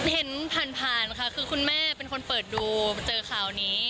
เห็นผ่านค่ะคือคุณแม่เป็นคนเปิดดูเจอข่าวนี้